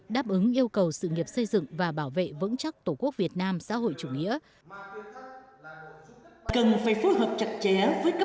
đáp ứng yêu cầu sự nghiệp xây dựng và bảo vệ vững chắc tổ quốc việt nam xã hội chủ nghĩa